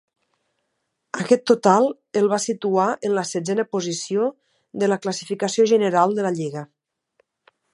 Aquest total el va situar en la setzena posició de la classificació general de la lliga.